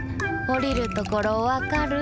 おりるところわかる？